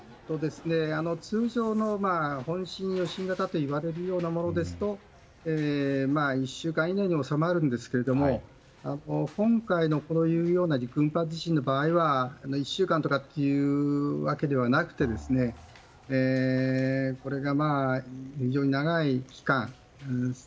通常の本震・余震型といわれるようなものですと１週間以内に収まるんですけど今回のような群発地震の場合は１週間とかというわけではなくてこれが非常に長い期間